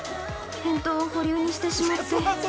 返答保留にしてしまって。